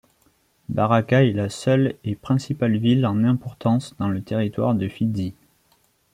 Baraka est la seule et principale ville en importance dans le territoire de Fizi.